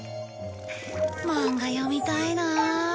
漫画読みたいなあ